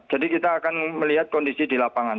jadi kita akan melihat kondisi di lapangan